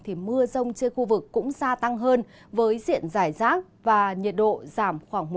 thì mưa rông trên khu vực cũng gia tăng hơn với diện giải rác và nhiệt độ giảm khoảng một